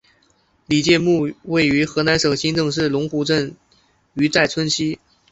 李诫墓位于河南省新郑市龙湖镇于寨村西。